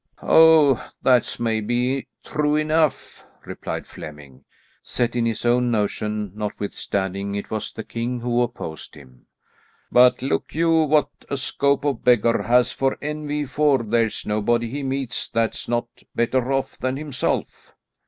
"Oh, that's maybe true enough," replied Flemming, set in his own notion notwithstanding it was the king who opposed him; "but look you, what a scope a beggar has for envy, for there's nobody he meets that's not better off than himself."